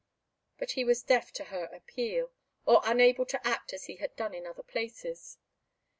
But he was deaf to her appeal, or unable to act as he had done in other places.